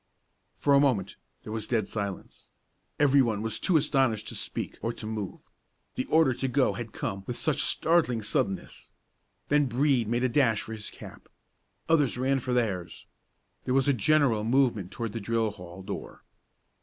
For a moment there was dead silence. Every one was too astonished to speak or to move; the order to go had come with such startling suddenness. Then Brede made a dash for his cap. Others ran for theirs. There was a general movement toward the drill hall door.